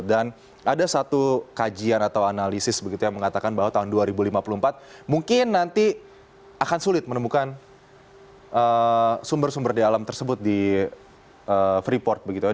dan ada satu kajian atau analisis begitu ya mengatakan bahwa tahun dua ribu lima puluh empat mungkin nanti akan sulit menemukan sumber sumber daya alam tersebut di freeport begitu ya